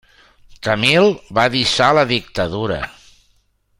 Camil va deixar la dictadura.